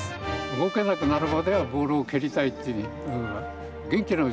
動けなくなるまではボールを蹴りたいっていう。